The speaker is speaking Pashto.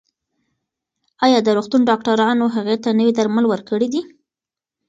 ایا د روغتون ډاکټرانو هغې ته نوي درمل ورکړي دي؟